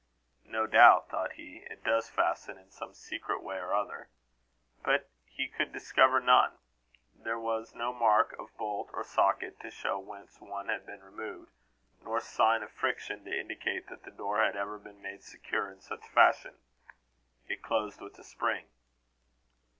"No doubt," thought he, "it does fasten, in some secret way or other." But he could discover none. There was no mark of bolt or socket to show whence one had been removed, nor sign of friction to indicate that the door had ever been made secure in such fashion. It closed with a spring.